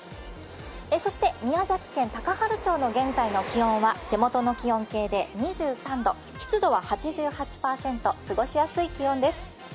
そして宮崎県高原町の現在の気温は手元の気温計で２３度、湿度は８８％、過ごしやすい気温です。